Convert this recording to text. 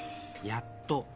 「やっと」。